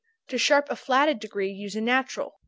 To sharp a flatted degree, use a natural.